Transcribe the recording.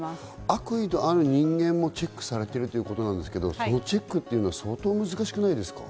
悪意のある人間もチェックされているということなんですけれども、そのチェックは相当難しくないですか？